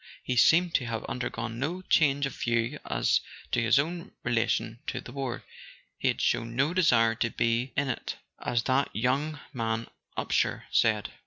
He seemed to have undergone no change of view as to his own relation to the war; he had shown no desire to "be in it," as that mad young Upsher said.